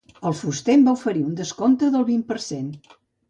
El fuster em va oferir un descompte del vint per cent.